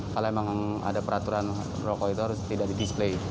kalau memang ada peraturan rokok itu harus tidak di display